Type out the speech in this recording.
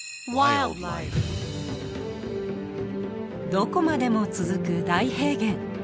どこまでも続く大平原。